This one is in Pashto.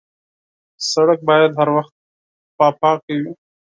سړک باید هر وخت پاک وي.